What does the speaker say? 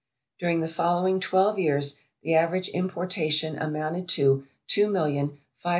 During the following twelve years the average importation amounted to 2,558,080 lbs.